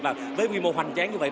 và với quy mô hoành tráng như vậy